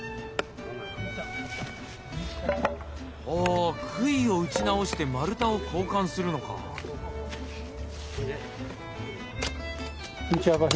あくいを打ち直して丸太を交換するのかあ。